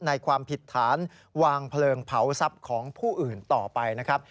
ความผิดฐานวางเพลิงเผาทรัพย์ของผู้อื่นต่อไปนะครับ